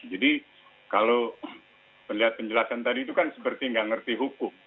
jadi kalau melihat penjelasan tadi itu kan seperti nggak ngerti hukum